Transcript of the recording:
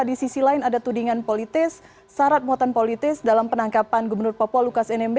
di sisi lain ada tudingan politis syarat muatan politis dalam penangkapan gubernur papua lukas nmb